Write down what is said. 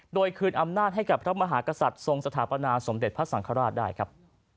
โดยคืนอำนาจให้กับพระมหากษัตริย์ทรงสถาปนาสมเด็จพระสังฆราชได้ครับ